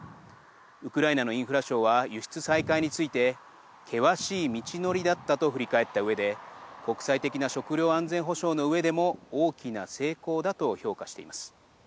ウクライナのインフラ相は輸出再開について険しい道のりだったと振り返ったうえで国際的な食料安全保障のうえでも大きな成功だと評価しています。